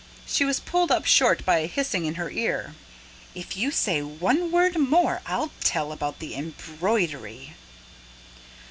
She was pulled up short by a hissing in her ear. "If you say one word more, I'll tell about the embroidery!"